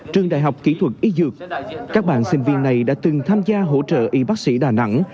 trường đại học kỹ thuật y dược các bạn sinh viên này đã từng tham gia hỗ trợ y bác sĩ đà nẵng